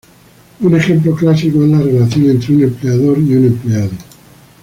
Un ejemplo clásico es la relación entre un empleador y un empleado.